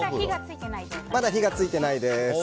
まだ火が付いてないです。